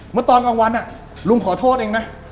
เมื่อตอนกลางวันลุงขอโทษเองนะ